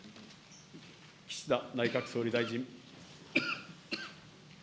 岸田内閣総理大臣。